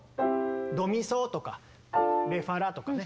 ドミソとかレファラとかね。